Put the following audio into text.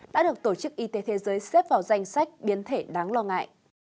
đã được tổ chức y tế thế giới xếp vào danh sách biến thể đáng lo ngại